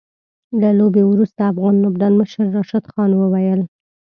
له لوبې وروسته افغان لوبډلمشر راشد خان وويل